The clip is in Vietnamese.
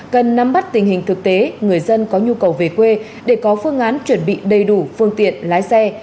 cần nắm bắt tình hình thực tế người dân có nhu cầu về quê để có phương án chuẩn bị đầy đủ phương tiện lái xe